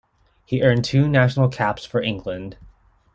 He earned two national caps for England.